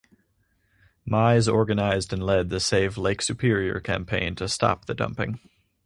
Mize organized and led the Save Lake Superior campaign to stop the dumping.